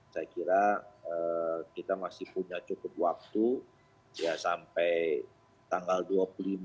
saya kira kita masih punya cukup waktu ya sampai tanggal dua puluh lima